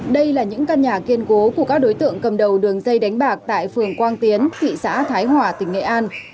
đây là những căn nhà kiên cố của các đối tượng cầm đầu đường dây đánh bạc tại phường quang tiến thị xã thái hòa tỉnh nghệ an